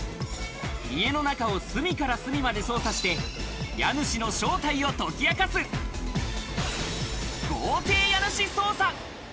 家の中を隅から隅まで捜査して家主の正体を解き明かす、豪邸家主捜査。